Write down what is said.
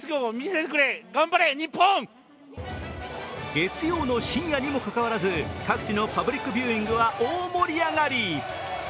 月曜の深夜にもかかわらず各地のパプリックビューイングは大盛り上がり。